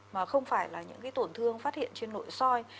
mà không phải là những tổn thương phát hiện trên nội soi